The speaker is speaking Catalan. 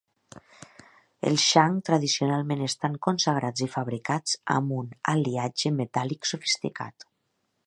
Els shang tradicionalment estan consagrats i fabricats amb un aliatge metàl·lic sofisticat.